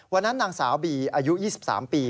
วันนั้นนางสาวบีอายุ๒๓ปี